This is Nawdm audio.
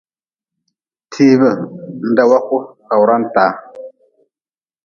Tiibe n dagwaku kpawra-n taa.